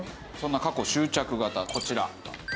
そんな過去執着型こちら。